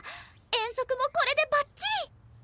遠足もこれでバッチリ！